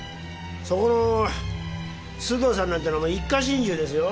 そこの須藤さんなんてのも一家心中ですよ。